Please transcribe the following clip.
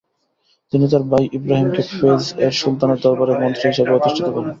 তিনি তার ভাই ইবরাহিমকে ফেজ-এর সুলতানের দরবারে মন্ত্রী হিসেবে অধিষ্ঠিত করেন।